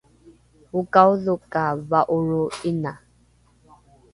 okaodho ka va’oro ’ina